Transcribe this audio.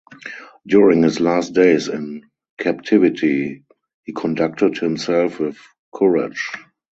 During his last days in captivity he conducted himself with courage.